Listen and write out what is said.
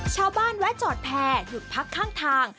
ชาวบ้านแวะจอดแพรหยุดพักข้างทาง